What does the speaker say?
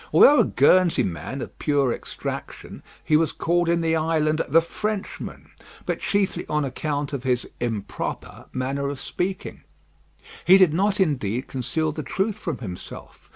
Although a Guernsey man of pure extraction, he was called in the island "the Frenchman;" but chiefly on account of his "improper" manner of speaking. He did not indeed conceal the truth from himself.